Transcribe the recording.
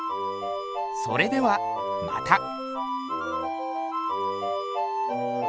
それではまた。